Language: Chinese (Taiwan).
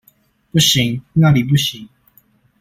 不行，那裡不行